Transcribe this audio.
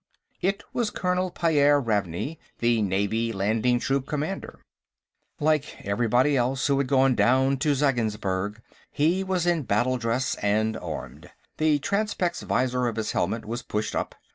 It was Colonel Pyairr Ravney, the Navy Landing Troop commander. Like everybody else who had gone down to Zeggensburg, he was in battle dress and armed; the transpex visor of his helmet was pushed up.